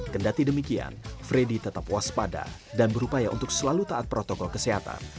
kendati demikian freddy tetap waspada dan berupaya untuk selalu taat protokol kesehatan